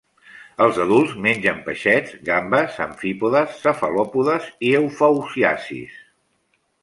Els adults mengen peixets, gambes, amfípodes, cefalòpodes i eufausiacis.